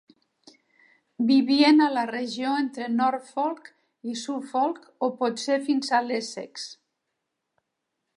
Vivien a la regió entre Norfolk i Suffolk o potser fins a l'Essex.